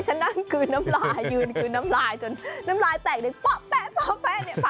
ฉันนั่งกลืนน้ำลายยืนกลืนน้ำลายจนน้ำลายแตกดึงเป๊ะเนี่ย